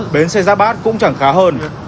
bến xe giá bát cũng chẳng khá hơn